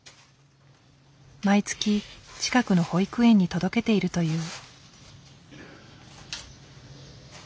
毎月近くの保育園に届けているという。